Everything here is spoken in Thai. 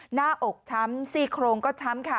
หน้าอกช้ำซี่โครงก็ช้ำค่ะ